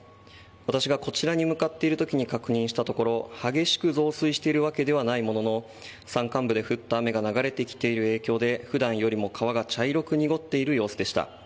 私がこちらに向かっている時に確認したところ激しく増水しているわけではないものの山間部で降った雨が流れてきている影響で普段よりも川が茶色く濁っている様子でした。